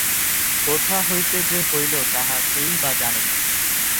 কোথা হইতে যে হইল, তাহা কেই বা জানে?